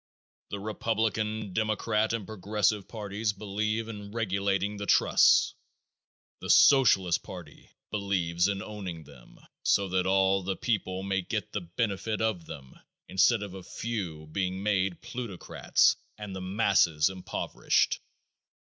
The Republican, Democratic and Progressive parties believe in regulating the trusts; the Socialist party believes in owning them, so that all the people may get the benefit of them instead of a few being made plutocrats and the masses impoverished.